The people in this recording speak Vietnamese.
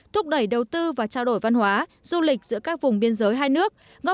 thúc đẩy đầu tư và trao đổi văn hóa du lịch giữa các vùng biên giới hai nước